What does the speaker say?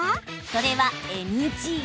それは、ＮＧ。